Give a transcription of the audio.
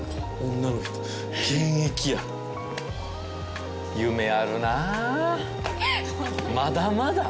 女の子と現役や夢あるなぁまだまだ！